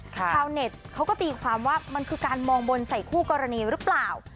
ชาวเน็ตเขาก็ตีความว่ามันคือการมองบนใส่คู่กรณีหรือเปล่า